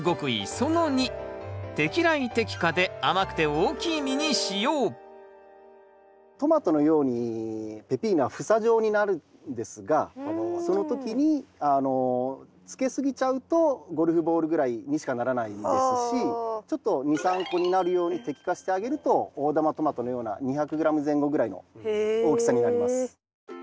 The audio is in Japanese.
その２トマトのようにペピーノは房状になるんですがその時につけすぎちゃうとゴルフボールぐらいにしかならないですしちょっと２３個になるように摘果してあげると大玉トマトのような２００ｇ前後ぐらいの大きさになります。